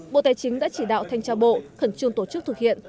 bộ tài chính đã chỉ đạo thanh tra bộ khẩn trương tổ chức thực hiện